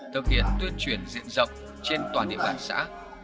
thực hiện tuyên truyền diện rộng trên toàn địa bàn xã